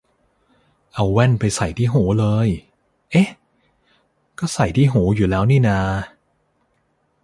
เอาแว่นไปใส่ที่หูเลย เอ๊ะ ก็ใส่ที่หูอยู่แล้วนี่นา